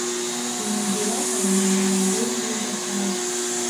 yinjira abona amabanga yigihugu atazwi